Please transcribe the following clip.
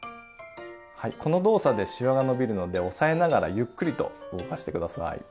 はいこの動作でしわが伸びるので押さえながらゆっくりと動かして下さい。